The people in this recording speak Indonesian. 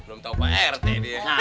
belum tahu pak rt dia